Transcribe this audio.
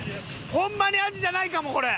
ホンマにアジじゃないかもこれ。